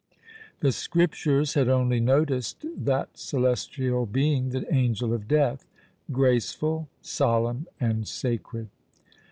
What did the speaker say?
The Scriptures had only noticed that celestial being "the Angel of Death," graceful, solemn, and sacred!